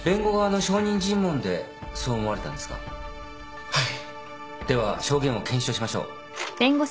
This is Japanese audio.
では証言を検証しましょう。